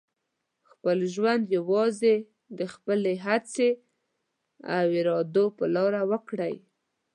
خپل ژوند یوازې د خپلې هڅې او ارادو په لاره وکړئ.